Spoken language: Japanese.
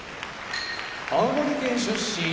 青森県出身